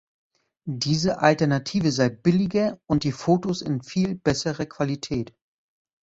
Diese Alternative sei billiger und die Fotos in viel besserer Qualität.